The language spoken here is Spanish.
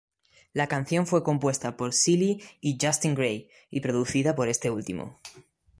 La canción fue compuesta por Seeley y Justin Gray, y producida por este último.